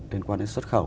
đến quan đến xuất khẩu